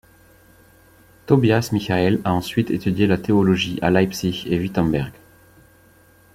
Tobias Michael a ensuite étudié la théologie à Leipzig et Wittemberg.